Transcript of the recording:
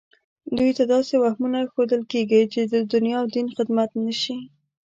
دوی ته داسې وهمونه ښودل کېږي چې د دنیا او دین خدمت نه شي